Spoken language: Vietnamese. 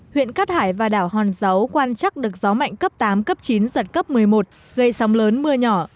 huyện cát hải và đảo hòn dấu quan trắc được gió mạnh cấp tám cấp chín giật cấp một mươi một gây sóng lớn mưa nhỏ